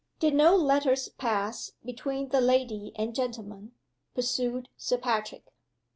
"Did no letters pass between the lady and gentleman?" pursued Sir Patrick.